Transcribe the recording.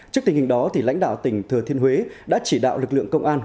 trước tình hình đó lãnh đạo tỉnh thừa thiên huế đã chỉ đạo lực lượng công an